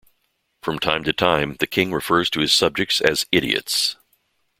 From time to time, the king refers to his subjects as "Idiots".